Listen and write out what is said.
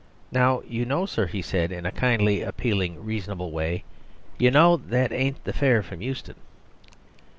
"Now you know, sir," said he in a kindly, appealing, reasonable way, "you know that ain't the fare from Euston."